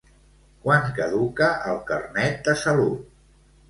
Quan caduca el Carnet de salut?